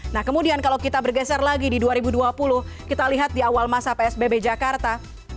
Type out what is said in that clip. nah kemudian kalau kita bergeser lagi di dua ribu dua puluh kita lihat di awal masa psbb jakarta